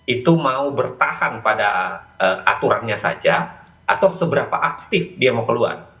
itu mau bertahan pada aturannya saja atau seberapa aktif dia mau keluar